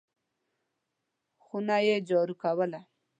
خونه یې جارو کوله !